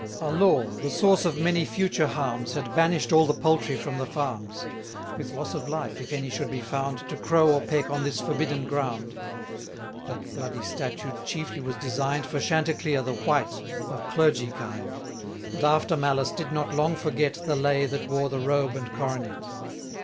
A law, the source of many future harms, Had banish'd all the poultry from the farms; With loss of life, if any should be found 1070 To crow or peck on this forbidden ground. That bloody statute chiefly was design'd For Chanticleer the white, of clergy kind; But after malice did not long forget The lay that wore the robe and coronet.